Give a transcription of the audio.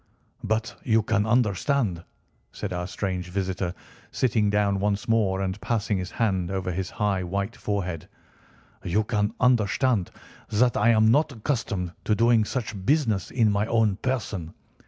"But you can understand," said our strange visitor, sitting down once more and passing his hand over his high white forehead, "you can understand that I am not accustomed to doing such business in my own person.